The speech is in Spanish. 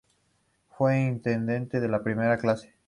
Fue Intendente de Primera Clase.